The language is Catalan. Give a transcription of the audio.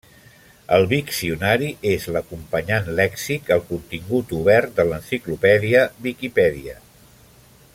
El Viccionari és l'acompanyant lèxic al contingut obert de l'enciclopèdia Viquipèdia.